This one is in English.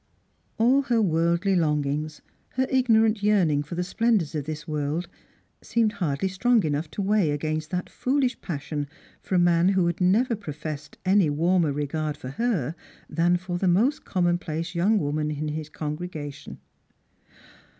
" All her worldly longings, her ignorant yea^ ning for the splen dours of this world, seemed hardly strong enough to weigh against that foolish passion for a man who had never professed any warmer regard for her than for the most commonplace yr^ung woman in his congregation.